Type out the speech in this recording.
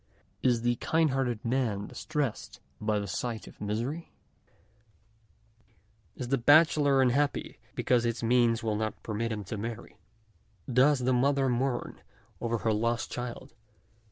Is the kindhearted man distressed by the sight of misery ? is the bachelor unhappy because his means will not permit him to marry? does the mother mourn over her lost child